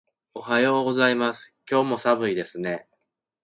おはようございます。今日も寒いですね。